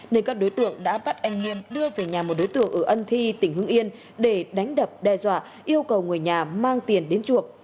nên các đối tượng đã bắt anh nghiêm đưa về nhà một đối tượng ở ân thi tỉnh hưng yên để đánh đập đe dọa yêu cầu người nhà mang tiền đến chuộc